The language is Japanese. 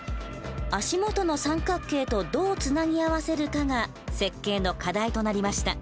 足元の三角形とどうつなぎ合わせるかが設計の課題となりました。